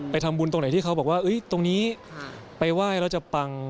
ทำบุญตรงไหนที่เขาบอกว่าตรงนี้ไปไหว้แล้วจะปัง